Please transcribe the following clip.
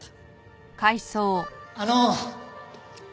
あの。